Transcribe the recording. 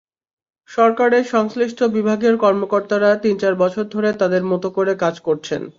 সরকারের সংশ্লিষ্ট বিভাগের কর্মকর্তারা তিন-চার বছর ধরে তাঁদের মতোকরে কাজ করছেন।